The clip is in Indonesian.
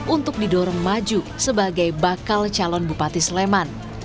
untuk didorong maju sebagai bakal calon bupati sleman